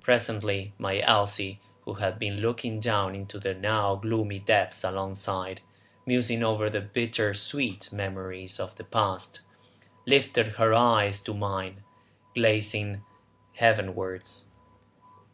Presently my Elsie, who had been looking down into the now gloomy depths alongside, musing over the bitter sweet memories of the past, lifted her eyes to mine, glancing heavenwards.